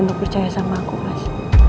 untuk percaya sama aku mas